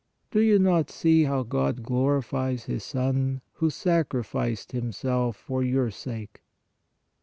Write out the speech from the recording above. Do you not see how God glorified His Son, who sacrificed Him self for your sake?